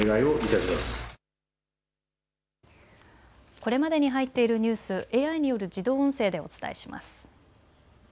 これまでに入っているニュース、ＡＩによる自動音声でお伝えします。